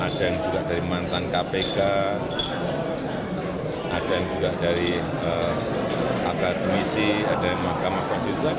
ada yang juga dari mantan kpk ada yang juga dari akademisi ada dari mahkamah konstitusi